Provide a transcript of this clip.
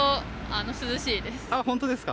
本当ですか。